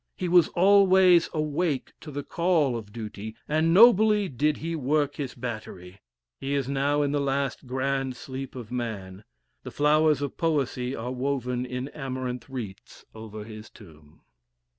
He was always awake to the call of duty, and nobly did he work his battery. He is now in the last grand sleep of man the flowers of poesy are woven in amarynth wreaths over his tomb.